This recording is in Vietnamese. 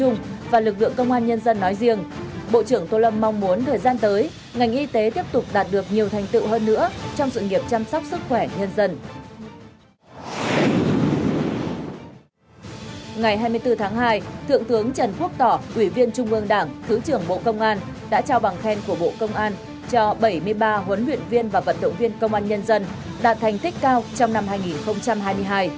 ngày hai mươi bốn tháng hai thượng tướng trần quốc tỏ ủy viên trung ương đảng thứ trưởng bộ công an đã trao bằng khen của bộ công an cho bảy mươi ba huấn luyện viên và vận động viên công an nhân dân đạt thành tích cao trong năm hai nghìn hai mươi hai